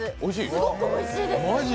すごくおいしいです！